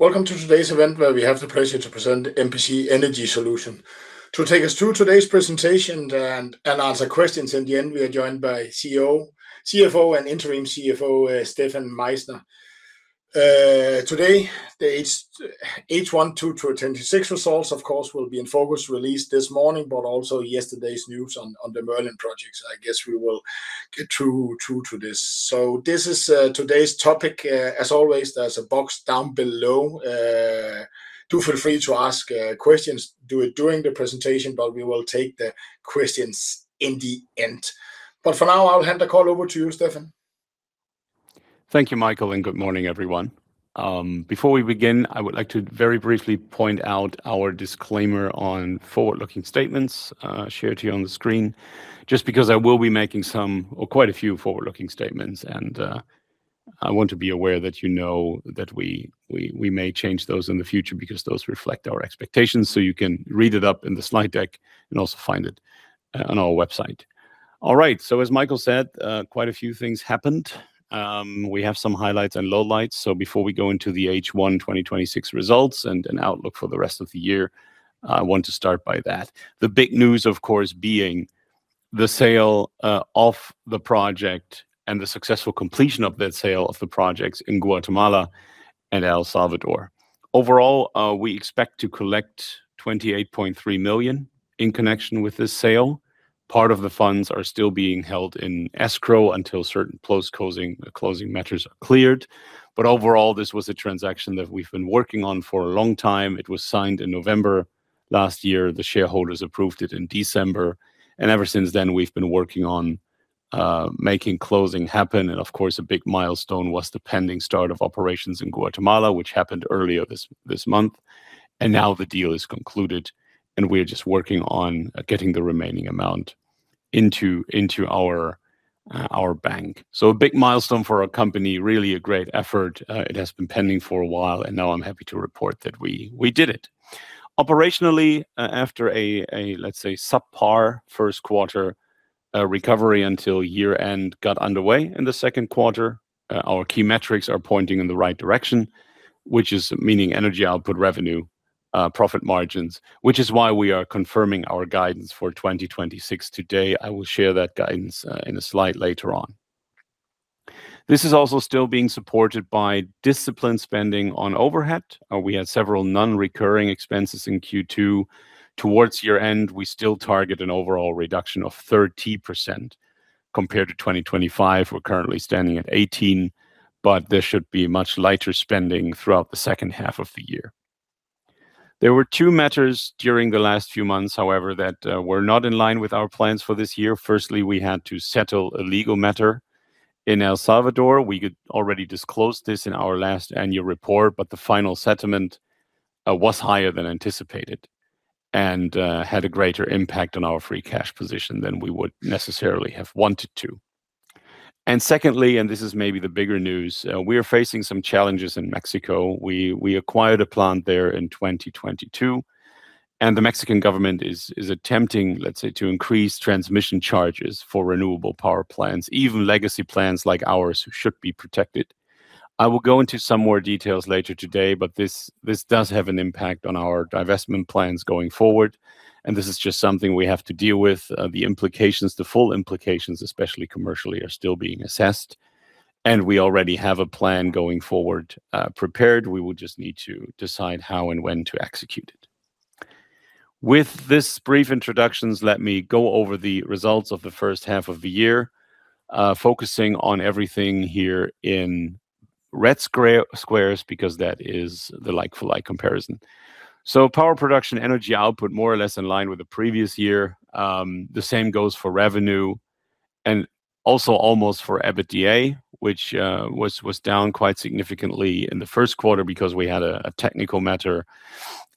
Welcome to today's event, where we have the pleasure to present MPC Energy Solutions. To take us through today's presentation and answer questions at the end, we are joined by CFO and Interim CFO, Stefan Meichsner. Today, the H1 2026 results, of course, will be in focus, released this morning, but also yesterday's news on the Merlin Project. I guess we will get through to this. This is today's topic. As always, there's a box down below. Do feel free to ask questions during the presentation, but we will take the questions in the end. For now, I'll hand the call over to you, Stefan. Thank you, Michael, and good morning, everyone. Before we begin, I would like to very briefly point out our disclaimer on forward-looking statements shared to you on the screen, just because I will be making some, or quite a few, forward-looking statements and I want to be aware that you know that we may change those in the future because those reflect our expectations. You can read it up in the slide deck and also find it on our website. All right. As Michael said, quite a few things happened. We have some highlights and lowlights. Before we go into the H1 2026 results and an outlook for the rest of the year, I want to start by that. The big news, of course, being the sale of the project and the successful completion of that sale of the projects in Guatemala and El Salvador. Overall, we expect to collect $28.3 million in connection with this sale. Part of the funds are still being held in escrow until certain post-closing matters are cleared. Overall, this was a transaction that we've been working on for a long time. It was signed in November last year. The shareholders approved it in December, and ever since then, we've been working on making closing happen. Of course, a big milestone was the pending start of operations in Guatemala, which happened earlier this month. Now the deal is concluded, and we are just working on getting the remaining amount into our bank. A big milestone for our company, really a great effort. It has been pending for a while, and now I'm happy to report that we did it. Operationally, after a, let's say, subpar first quarter, recovery until year-end got underway in the second quarter. Our key metrics are pointing in the right direction, which is meaning energy output revenue, profit margins, which is why we are confirming our guidance for 2026 today. I will share that guidance in a slide later on. This is also still being supported by disciplined spending on overhead. We had several non-recurring expenses in Q2. Towards year-end, we still target an overall reduction of 30% compared to 2025. We're currently standing at 18%, but there should be much lighter spending throughout the second half of the year. There were two matters during the last few months, however, that were not in line with our plans for this year. Firstly, we had to settle a legal matter in El Salvador. We already disclosed this in our last annual report, but the final settlement was higher than anticipated and had a greater impact on our free cash position than we would necessarily have wanted to. Secondly, this is maybe the bigger news, we are facing some challenges in Mexico. We acquired a plant there in 2022, and the Mexican government is attempting, let's say, to increase transmission charges for renewable power plants, even legacy plants like ours, who should be protected. I will go into some more details later today, but this does have an impact on our divestment plans going forward, and this is just something we have to deal with. The full implications, especially commercially, are still being assessed, and we already have a plan going forward prepared. We will just need to decide how and when to execute it. With this brief introductions, let me go over the results of the first half of the year, focusing on everything here in red squares because that is the like-for-like comparison. Power production, energy output, more or less in line with the previous year. The same goes for revenue and also almost for EBITDA, which was down quite significantly in the first quarter because we had a technical matter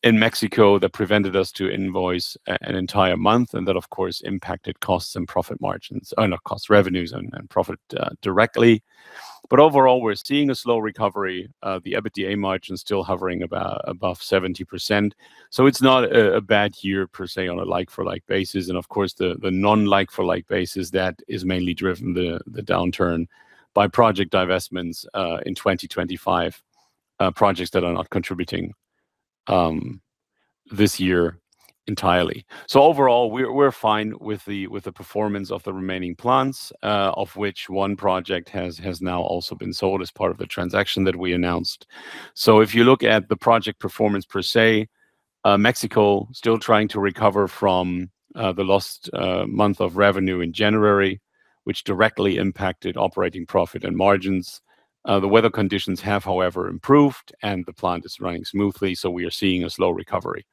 in Mexico that prevented us to invoice an entire month, and that, of course, impacted costs and profit margins. Not costs, revenues and profit directly. Overall, we're seeing a slow recovery. The EBITDA margin is still hovering above 70%, so it's not a bad year per se on a like-for-like basis. Of course, the non-like-for-like basis that is mainly driven the downturn by project divestments in 2025, projects that are not contributing this year entirely. Overall, we're fine with the performance of the remaining plants, of which one project has now also been sold as part of the transaction that we announced. If you look at the project performance per se, Mexico still trying to recover from the lost month of revenue in January, which directly impacted operating profit and margins. The weather conditions have, however, improved and the plant is running smoothly, so we are seeing a slow recovery.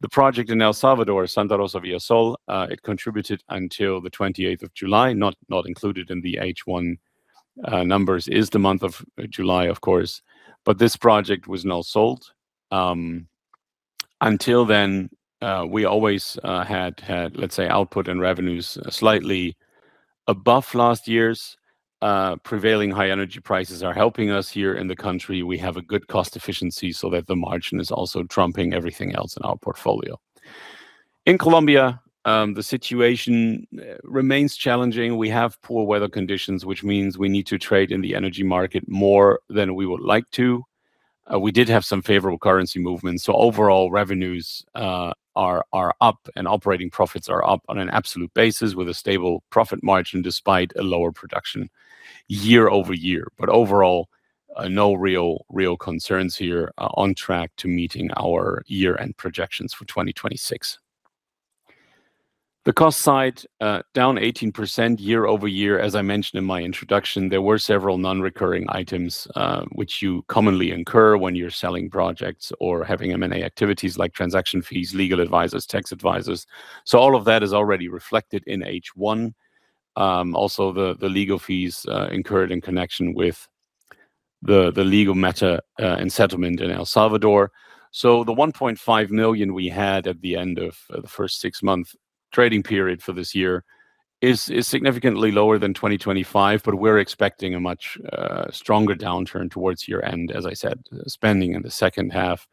The project in El Salvador, Santa Rosa & Villa Sol, it contributed until July 28th. Not included in the H1 numbers is the month of July, of course. This project was now sold. Until then, we always had, let's say, output and revenues slightly above last year's. Prevailing high energy prices are helping us here in the country. We have a good cost efficiency so that the margin is also trumping everything else in our portfolio. In Colombia, the situation remains challenging. We have poor weather conditions, which means we need to trade in the energy market more than we would like to. We did have some favorable currency movements. Overall, revenues are up and operating profits are up on an absolute basis with a stable profit margin, despite a lower production year-over-year. Overall, no real concerns here. On track to meeting our year-end projections for 2026. The cost side, down 18% year-over-year. As I mentioned in my introduction, there were several non-recurring items, which you commonly incur when you're selling projects or having M&A activities like transaction fees, legal advisors, tax advisors. All of that is already reflected in H1. The legal fees incurred in connection with the legal matter and settlement in El Salvador. The $1.5 million we had at the end of the first six-month trading period for this year is significantly lower than 2025, but we are expecting a much stronger downturn towards year-end. Spending in the second half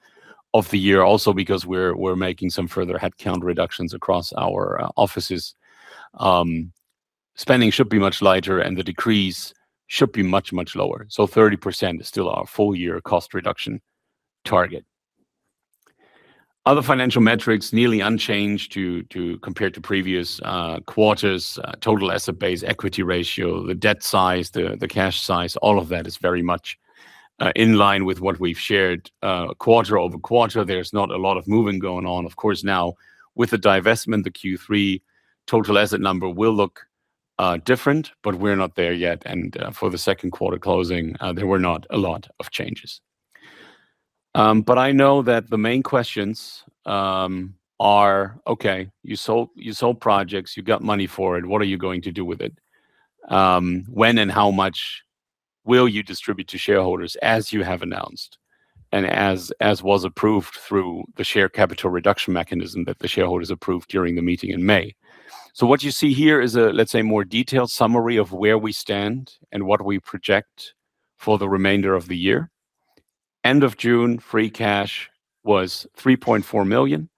of the year also because we are making some further headcount reductions across our offices. Spending should be much lighter, and the decrease should be much, much lower. 30% is still our full-year cost reduction target. Other financial metrics, nearly unchanged compared to previous quarters. Total asset base, equity ratio, the debt size, the cash size, all of that is very much in line with what we have shared quarter-over-quarter. There is not a lot of moving going on. Now with the divestment, the Q3 total asset number will look different, but we are not there yet. For the second quarter closing, there were not a lot of changes. I know that the main questions are, okay, you sold projects, you got money for it, what are you going to do with it? When and how much will you distribute to shareholders as you have announced, and as was approved through the share capital reduction mechanism that the shareholders approved during the meeting in May? What you see here is a, let us say, more detailed summary of where we stand and what we project for the remainder of the year. End of June, free cash was $3.4 million.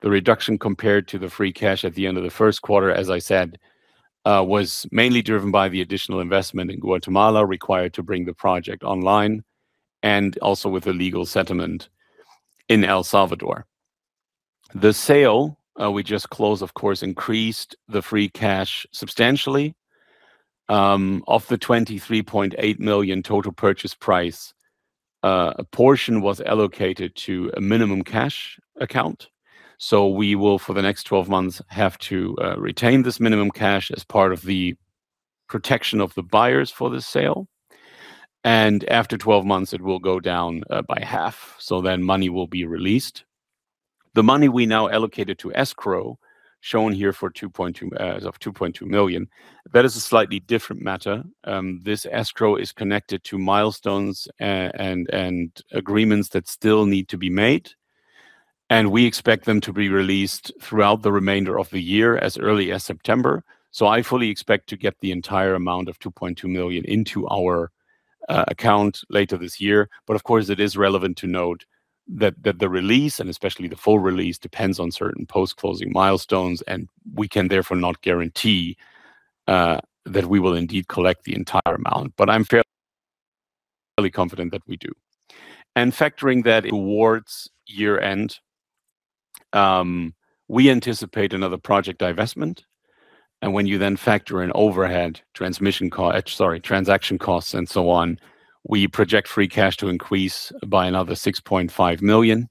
The reduction compared to the free cash at the end of the first quarter, as I said, was mainly driven by the additional investment in Guatemala required to bring the project online, and also with the legal settlement in El Salvador. The sale we just closed, of course, increased the free cash substantially. Of the [$28.3 million] total purchase price, a portion was allocated to a minimum cash account. We will, for the next 12 months, have to retain this minimum cash as part of the protection of the buyers for the sale. After 12 months, it will go down by half, so then money will be released. The money we now allocated to escrow, shown here as of $2.2 million. That is a slightly different matter. This escrow is connected to milestones and agreements that still need to be made, and we expect them to be released throughout the remainder of the year, as early as September. I fully expect to get the entire amount of $ 2.2 million into our account later this year. Of course, it is relevant to note that the release, and especially the full release, depends on certain post-closing milestones, and we can therefore not guarantee that we will indeed collect the entire amount. I am fairly confident that we do. Factoring that towards year end, we anticipate another project divestment. When you then factor in overhead, transaction costs and so on, we project free cash to increase by another $6.5 million,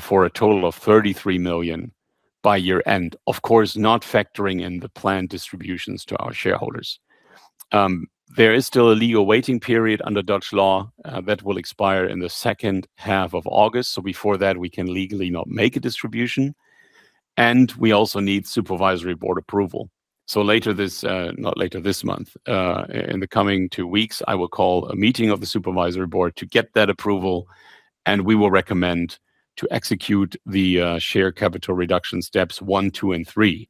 for a total of $33 million by year end. Not factoring in the planned distributions to our shareholders. There is still a legal waiting period under Dutch law that will expire in the second half of August. Before that, we can legally not make a distribution. We also need Supervisory Board approval. In the coming two weeks, I will call a meeting of the Supervisory Board to get that approval, and we will recommend to execute the share capital reduction steps one, two, and three,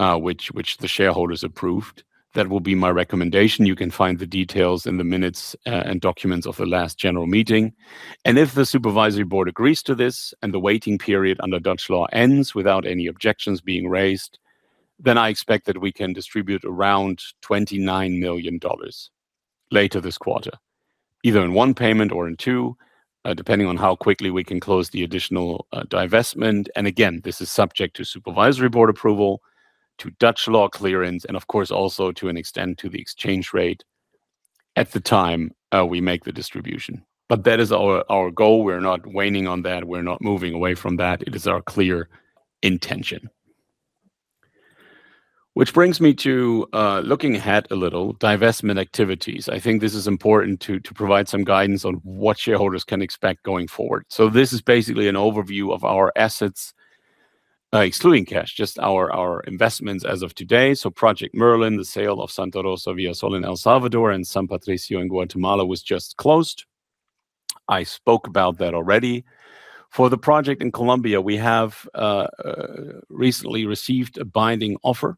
which the shareholders approved. That will be my recommendation. You can find the details in the minutes and documents of the last general meeting. If the Supervisory Board agrees to this and the waiting period under Dutch law ends without any objections being raised, then I expect that we can distribute around $29 million later this quarter, either in one payment or in two, depending on how quickly we can close the additional divestment. This is subject to Supervisory Board approval, to Dutch law clearance, and of course, also to an extent to the exchange rate at the time we make the distribution. That is our goal. We're not waning on that. We're not moving away from that. It is our clear intention. Which brings me to looking ahead a little. Divestment activities. I think this is important to provide some guidance on what shareholders can expect going forward. This is basically an overview of our assets, excluding cash, just our investments as of today. Project Merlin, the sale of Santa Rosa & Villa Sol in El Salvador, and San Patricio in Guatemala was just closed. I spoke about that already. For the project in Colombia, we have recently received a binding offer.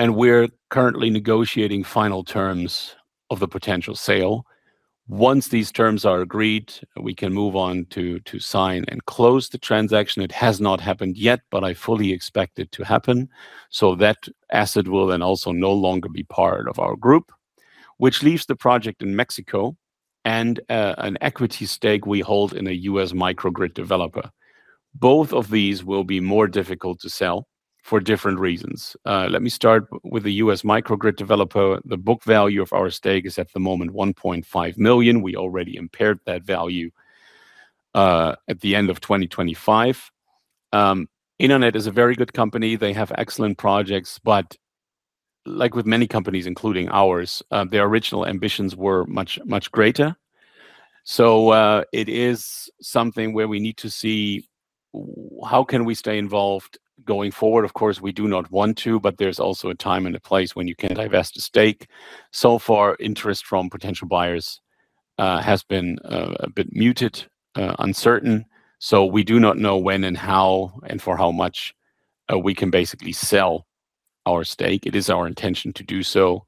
We're currently negotiating final terms of the potential sale. Once these terms are agreed, we can move on to sign and close the transaction. It has not happened yet, but I fully expect it to happen. That asset will then also no longer be part of our group, which leaves the project in Mexico and an equity stake we hold in a U.S. microgrid developer. Both of these will be more difficult to sell for different reasons. Let me start with the U.S. microgrid developer. The book value of our stake is, at the moment, $1.5 million. We already impaired that value at the end of 2025. Enernet is a very good company. They have excellent projects, but like with many companies, including ours, their original ambitions were much greater. It is something where we need to see how can we stay involved going forward. Of course, we do not want to, but there's also a time and a place when you can divest a stake. Interest from potential buyers has been a bit muted, uncertain. We do not know when and how, and for how much we can basically sell our stake. It is our intention to do so,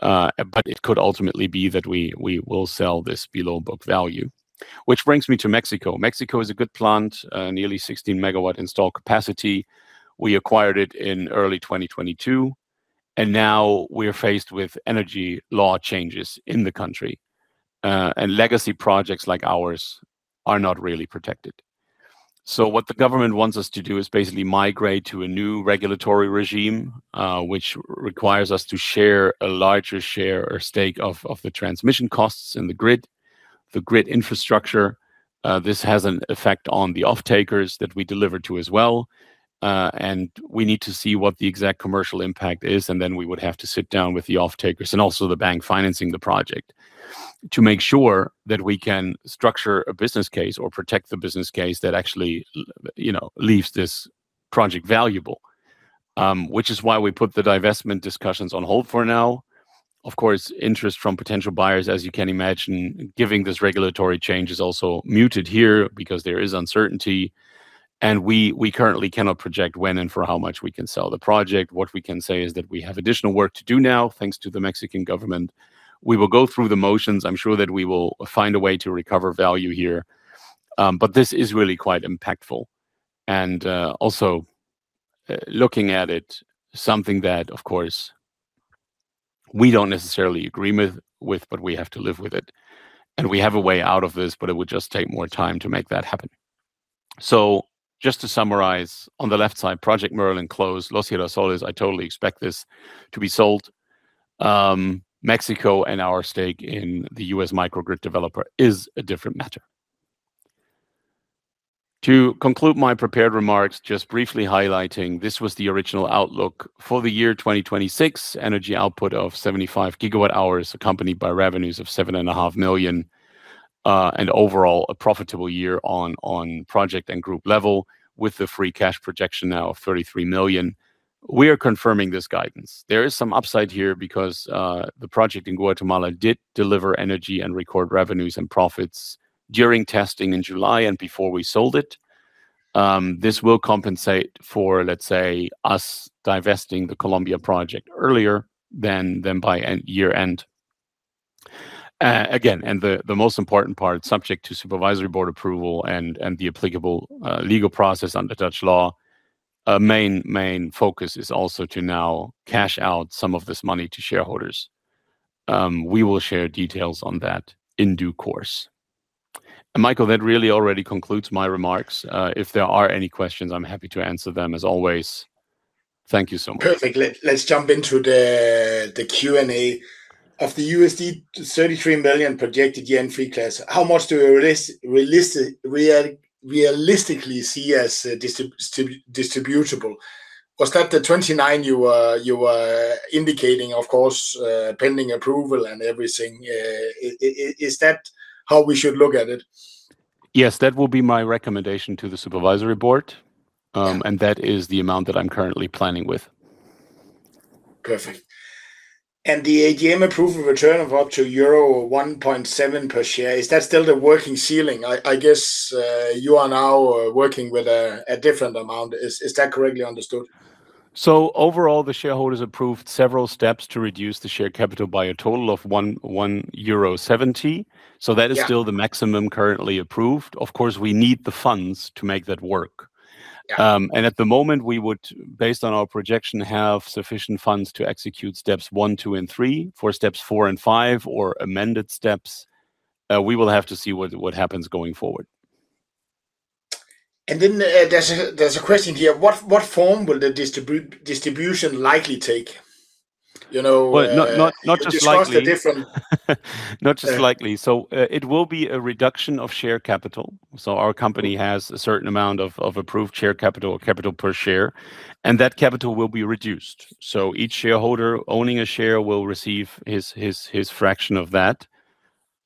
but it could ultimately be that we will sell this below book value. Which brings me to Mexico. Mexico is a good plant, nearly 16 MW installed capacity. We acquired it in early 2022. Now we're faced with energy law changes in the country. Legacy projects like ours are not really protected. What the government wants us to do is basically migrate to a new regulatory regime, which requires us to share a larger share or stake of the transmission costs in the grid infrastructure. This has an effect on the offtakers that we deliver to as well. We need to see what the exact commercial impact is, then we would have to sit down with the offtakers and also the bank financing the project to make sure that we can structure a business case or protect the business case that actually leaves this project valuable. Which is why we put the divestment discussions on hold for now. Of course, interest from potential buyers, as you can imagine, given this regulatory change, is also muted here because there is uncertainty, and we currently cannot project when and for how much we can sell the project. What we can say is that we have additional work to do now, thanks to the Mexican government. We will go through the motions. I'm sure that we will find a way to recover value here. This is really quite impactful and, also, looking at it, something that, of course, we don't necessarily agree with, but we have to live with it. We have a way out of this, but it would just take more time to make that happen. Just to summarize. On the left side, Project Merlin closed. Los Girasoles, I totally expect this to be sold. Mexico and our stake in the U.S. microgrid developer is a different matter. To conclude my prepared remarks, just briefly highlighting this was the original outlook. For the year 2026, energy output of 75 GWh accompanied by revenues of $7.5 million, and overall, a profitable year on project and group level with the free cash projection now of $33 million. We are confirming this guidance. There is some upside here because the project in Guatemala did deliver energy and record revenues and profits during testing in July and before we sold it. This will compensate for, let's say, us divesting the Colombia project earlier than by year-end. Again, the most important part, subject to Supervisory Board approval and the applicable legal process under Dutch law. A main focus is also to now cash out some of this money to shareholders. We will share details on that in due course. Michael, that really already concludes my remarks. If there are any questions, I'm happy to answer them, as always. Thank you so much. Perfect. Let's jump into the Q&A. Of the $33 million projected year-end free cash, how much do we realistically see as distributable? Was that the $29 you were indicating? Of course, pending approval and everything. Is that how we should look at it? Yes, that will be my recommendation to the Supervisory Board. Yeah. That is the amount that I'm currently planning with. Perfect. The AGM approval return of up to euro 1.7 per share, is that still the working ceiling? I guess you are now working with a different amount. Is that correctly understood? Overall, the shareholders approved several steps to reduce the share capital by a total of 1.70 euro. Yeah. That is still the maximum currently approved. Of course, we need the funds to make that work. Yeah. At the moment we would, based on our projection, have sufficient funds to execute steps one, two, and three. For steps four and five, or amended steps, we will have to see what happens going forward. There's a question here. What form will the distribution likely take? Well, not just likely. You discussed the different- Not just likely. It will be a reduction of share capital. Our company has a certain amount of approved share capital or capital per share, and that capital will be reduced. Each shareholder owning a share will receive his fraction of that.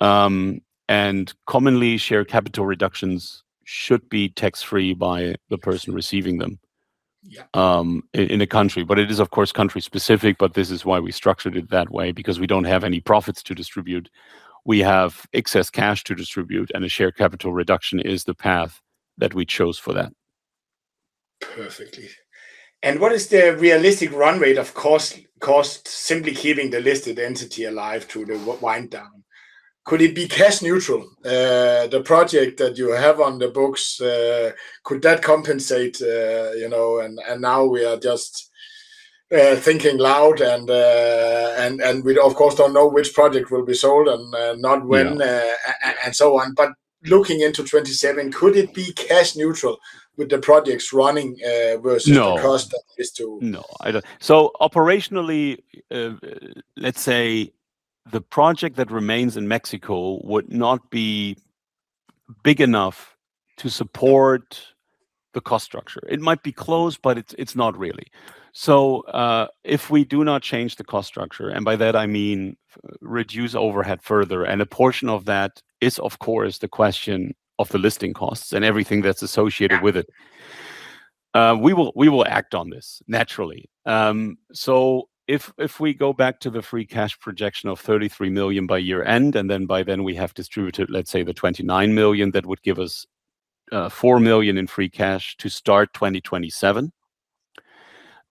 Commonly, share capital reductions should be tax-free by the person receiving them- Yeah. ...in a country. It is of course country specific, but this is why we structured it that way, because we don't have any profits to distribute. We have excess cash to distribute, a share capital reduction is the path that we chose for that. Perfectly. What is the realistic run rate, of course cost simply keeping the listed entity alive through the wind down? Could it be cash neutral? The project that you have on the books, could that compensate? Now we are just thinking loud and we of course don't know which project will be sold and not when- Yeah. ...and so on. Looking into 2027, could it be cash neutral with the projects running versus- No. ...the cost that is to. No. Operationally, let's say the project that remains in Mexico would not be big enough to support the cost structure. It might be close, but it's not really. If we do not change the cost structure, and by that I mean reduce overhead further. A portion of that is, of course, the question of the listing costs and everything that's associated with it. We will act on this, naturally. If we go back to the free cash projection of $33 million by year-end, and by then we have distributed, let's say, the $29 million, that would give us $4 million in free cash to start 2027.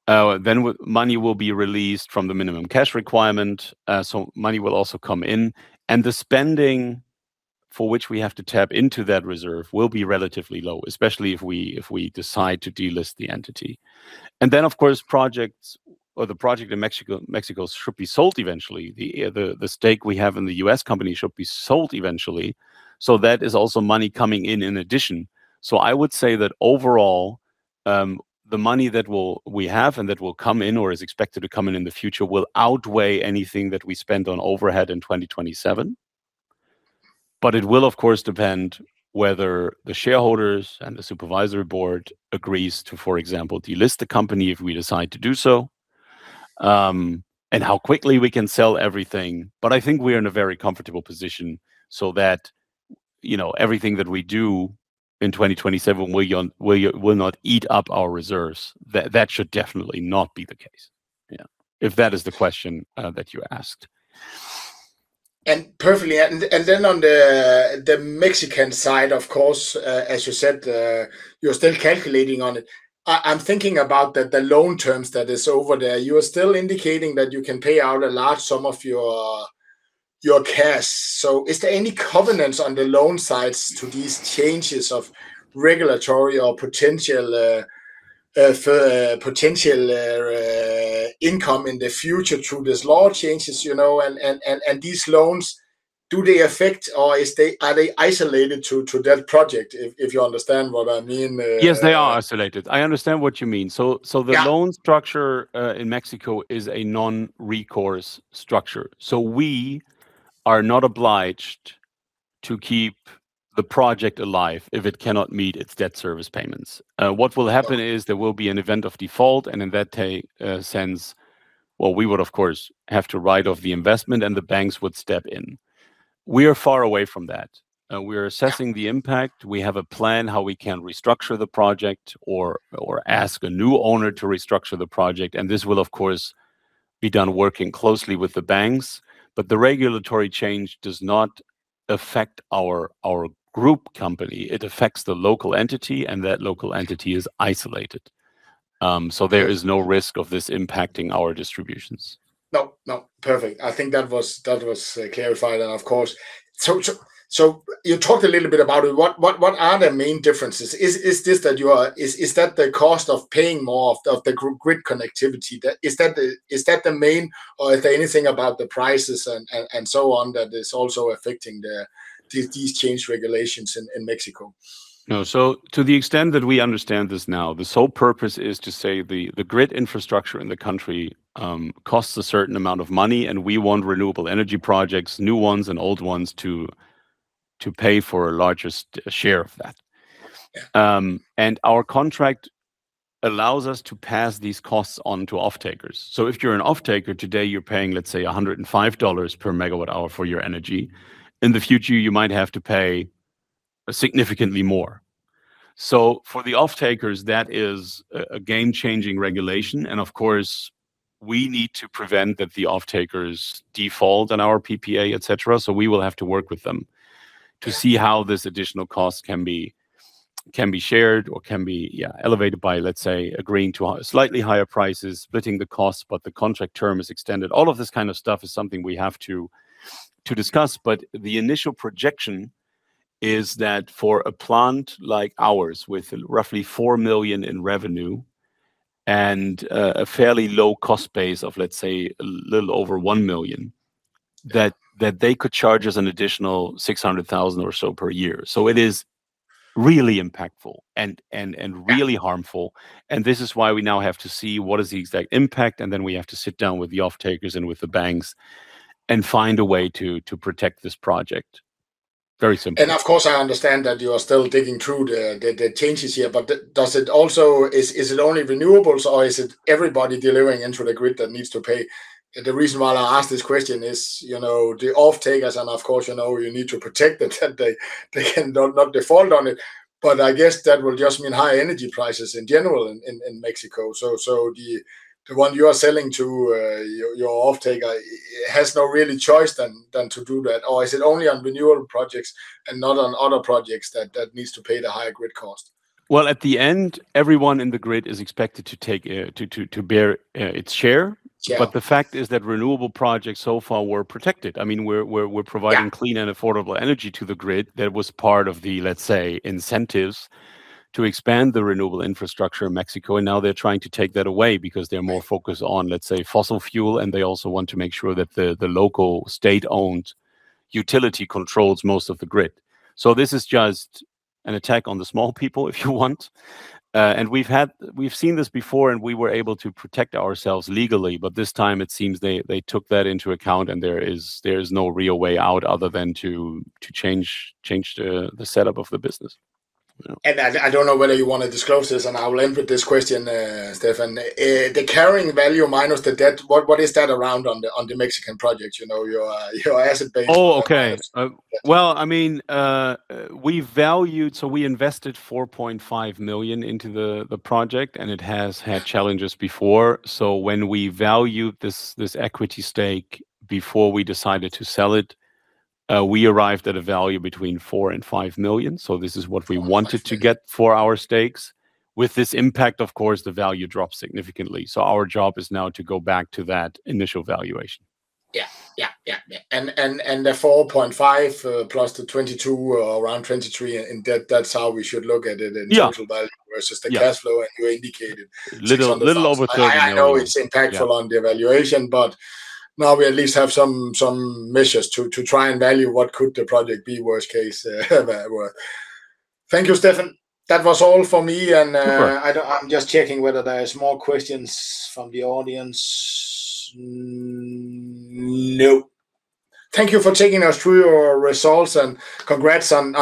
Money will be released from the minimum cash requirement, money will also come in. The spending for which we have to tap into that reserve will be relatively low, especially if we decide to delist the entity. Of course, the project in Mexico should be sold eventually. The stake we have in the U.S. company should be sold eventually. That is also money coming in in addition. I would say that overall, the money that we have and that will come in or is expected to come in in the future will outweigh anything that we spend on overhead in 2027. It will, of course, depend whether the shareholders and the Supervisory Board agrees to, for example, delist the company if we decide to do so, and how quickly we can sell everything. I think we are in a very comfortable position so that everything that we do in 2027 will not eat up our reserves. That should definitely not be the case. Yeah. If that is the question that you asked. Perfectly. On the Mexican side, of course, as you said, you're still calculating on it. I'm thinking about the loan terms that is over there. You are still indicating that you can pay out a large sum of your cash. Is there any covenants on the loan sides to these changes of regulatory or potential income in the future through these law changes? These loans, do they affect or are they isolated to that project? If you understand what I mean. Yes, they are isolated. I understand what you mean. Yeah. The loan structure in Mexico is a non-recourse structure. We are not obliged to keep the project alive if it cannot meet its debt service payments. What will happen is there will be an event of default, and in that sense, well, we would of course have to write off the investment and the banks would step in. We are far away from that. We are assessing the impact. We have a plan how we can restructure the project or ask a new owner to restructure the project. This will, of course, be done working closely with the banks. The regulatory change does not affect our group company. It affects the local entity, and that local entity is isolated. There is no risk of this impacting our distributions. No. Perfect. I think that was clarified. And of course. You talked a little bit about it. What are the main differences? Is that the cost of paying more of the grid connectivity? Is that the main, or is there anything about the prices and so on that is also affecting these changed regulations in Mexico? No. To the extent that we understand this now, the sole purpose is to say the grid infrastructure in the country costs a certain amount of money, and we want renewable energy projects, new ones and old ones, to pay for a larger share of that. Yeah. Our contract allows us to pass these costs on to off-takers. If you're an off-taker today, you're paying, let's say, $105 per megawatt hour for your energy. In the future, you might have to pay significantly more. For the off-takers, that is a game-changing regulation. Of course, we need to prevent that the off-takers default on our PPA, etc. We will have to work with them. Yeah. To see how this additional cost can be shared or can be, elevated by, let's say, agreeing to slightly higher prices, splitting the cost, but the contract term is extended. All of this kind of stuff is something we have to discuss, but the initial projection is that for a plant like ours, with roughly $4 million in revenue and a fairly low cost base of, let's say, a little over $1 million. Yeah. That they could charge us an additional $600,000 or so per year. It is really impactful and really harmful, and this is why we now have to see what is the exact impact. Then we have to sit down with the off-takers and with the banks and find a way to protect this project. Very simply. Of course, I understand that you are still digging through the changes here, but is it only renewables, or is it everybody delivering into the grid that needs to pay? The reason why I ask this question is the off-takers and of course you need to protect that they cannot default on it, but I guess that will just mean high energy prices in general in Mexico. The one you are selling to, your off-taker, has no really choice than to do that. Is it only on renewable projects and not on other projects that needs to pay the higher grid cost? Well, at the end, everyone in the grid is expected to bear its share. Yeah. The fact is that renewable projects so far were protected- Yeah. ...clean and affordable energy to the grid. That was part of the, let's say, incentives to expand the renewable infrastructure in Mexico. Now they're trying to take that away because they're more focused on, let's say, fossil fuel. They also want to make sure that the local state-owned utility controls most of the grid. This is just an attack on the small people, if you want. We've seen this before, and we were able to protect ourselves legally. This time it seems they took that into account, and there is no real way out other than to change the setup of the business. Yeah. I don't know whether you want to disclose this. I will end with this question, Stefan. The carrying value minus the debt, what is that around on the Mexican project? Your asset base. Oh, okay. Yeah. Well, we invested $4.5 million into the project, and it has had challenges before. When we valued this equity stake before we decided to sell it, we arrived at a value between $4 million and $5 million. This is what we wanted to get for our stakes. With this impact, of course, the value dropped significantly. Our job is now to go back to that initial valuation. Yeah. The $4.5+ the $22, or around $23, that's how we should look at it- Yeah. ...neutral value- Yeah. ...the cash flow, and you indicated $600,000. Little over $30 million. I know it's impactful- Yeah. ...on the evaluation, now we at least have some measures to try and value what could the project be worst case there were. Thank you, Stefan. That was all for me- No problem. ...I'm just checking whether there is more questions from the audience. No. Thank you for taking us through your results and congrats on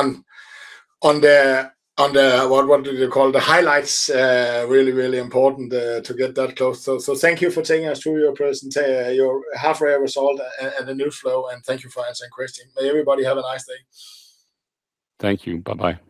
the, what do you call? The highlights. Really, really important to get that close. Thank you for taking us through your presentation, your half-year result, and the new flow, and thank you for answering questions. May everybody have a nice day. Thank you. Bye-bye.